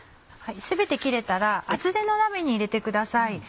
全て切れたら厚手の鍋に入れてください。